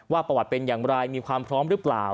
ประวัติเป็นอย่างไรมีความพร้อมหรือเปล่า